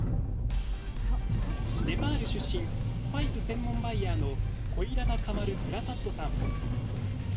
ネパール出身スパイス専門バイヤーのコイララ・カマル・プラサッドさん。